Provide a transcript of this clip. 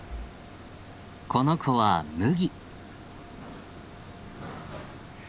この子はむぎ。